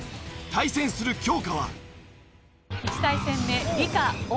対戦する教科は。